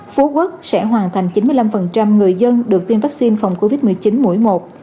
phú quốc sẽ hoàn thành chín mươi năm người dân được tiêm vaccine phòng covid một mươi chín mũi một